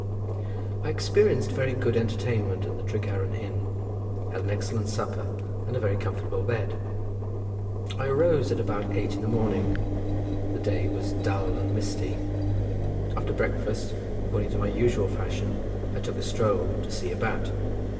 I experienced very good entertainment at the Tregaron Inn, had an excellent supper and a very comfortable bed. I arose at about eight in the morning. The day was dull and misty. After breakfast, according to my usual fashion, I took a stroll to see about.